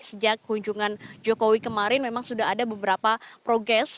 sejak kunjungan jokowi kemarin memang sudah ada beberapa progres